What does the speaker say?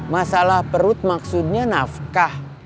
masalah perut maksudnya nafkah